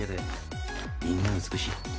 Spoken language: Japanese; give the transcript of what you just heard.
みんな美しい。